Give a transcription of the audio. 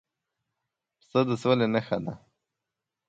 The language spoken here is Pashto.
پسه د سولې نښه ده.